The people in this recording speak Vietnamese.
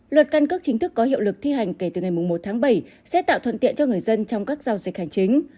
luật căn cước chính thức có hiệu lực thi hành kể từ ngày một tháng bảy sẽ tạo thuận tiện cho người dân trong các giao dịch hành chính